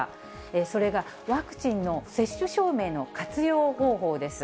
それがワクチンの接種証明の活用方法です。